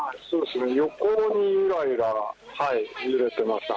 横にゆらゆら揺れてました。